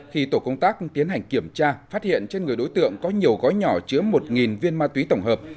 khi tổ công tác tiến hành kiểm tra phát hiện trên người đối tượng có nhiều gói nhỏ chứa một viên ma túy tổng hợp